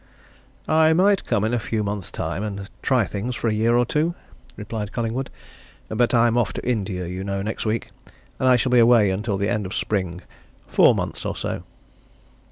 "I might come in a few months' time, and try things for a year or two," replied Collingwood. "But I'm off to India, you know, next week, and I shall be away until the end of spring four months or so."